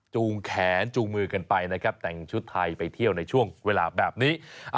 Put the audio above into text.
จูงแขนจูงมือกันไปนะครับแต่งชุดไทยไปเที่ยวในช่วงเวลาแบบนี้